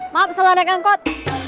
maaf salah naik angkot